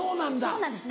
そうなんです。